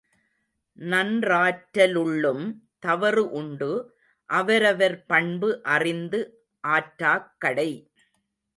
நன்றாற்ற லுள்ளும் தவறு உண்டு அவரவர் பண்பு அறிந்து ஆற்றாக் கடை.